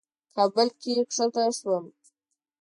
کابل کې کښته شوم.